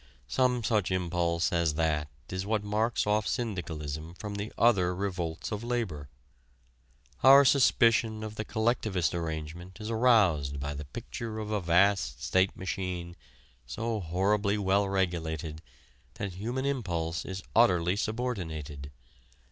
Some such impulse as that is what marks off syndicalism from the other revolts of labor. Our suspicion of the collectivist arrangement is aroused by the picture of a vast state machine so horribly well regulated that human impulse is utterly subordinated.